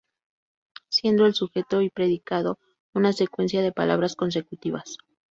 Siendo el sujeto y predicado una secuencia de palabras consecutivas.